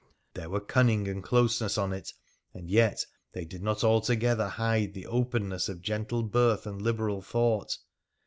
There were cunning and closeness on it, and yet they did not altogether hide the openness of gentle birth and liberal thought.